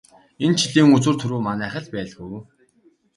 Энэ жилийн үзүүр түрүү манайх л байх байлгүй.